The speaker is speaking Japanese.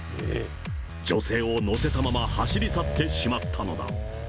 女性を乗せたまま走り去ってしまったのだ。